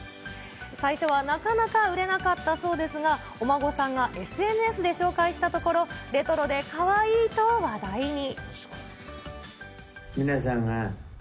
最初はなかなか売れなかったそうですが、お孫さんがＳＮＳで紹介したところ、レトロでかわいいと話題に。